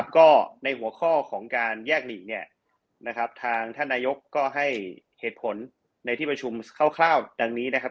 ก็ในหัวข้อของการแยกหลีกเนี่ยนะครับทางท่านนายกก็ให้เหตุผลในที่ประชุมคร่าวดังนี้นะครับ